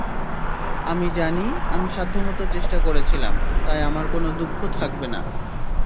আমি জানি আমি সাধ্যমতো চেষ্টা করেছিলাম, তাই আমার কোনো দুঃখ থাকবে না।